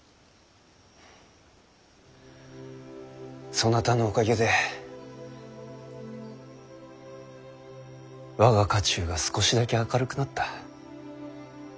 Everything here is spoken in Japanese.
そなたのおかげで我が家中が少しだけ明るくなった。